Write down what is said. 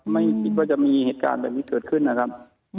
ไม่คิดว่าจะมีเหตุการณ์แบบนี้เกิดขึ้นนะครับ